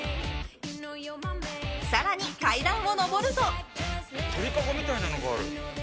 更に階段を上ると。